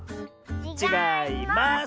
ちがいます！